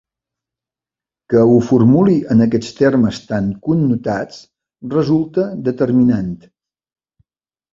Que ho formuli en aquests termes tan connotats resulta determinant.